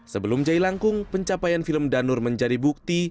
sebelum jailangkung pencapaian film danur menjadi bukti